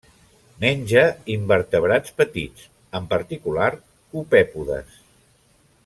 Menja invertebrats petits, en particular copèpodes.